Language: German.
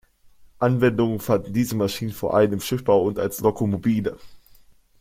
Anwendung fanden diese Maschinen vor allem im Schiffbau und als Lokomobile.